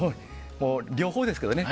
両方ですけどね。